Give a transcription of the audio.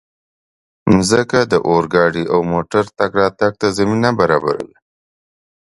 مځکه د اورګاډي او موټرو تګ راتګ ته زمینه برابروي.